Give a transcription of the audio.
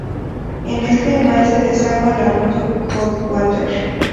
En este embalse desagua el arroyo Coldwater.